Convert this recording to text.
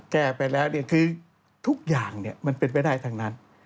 แก้ไปแล้วคือทุกอย่างมันเป็นไปได้ทั้งนั้น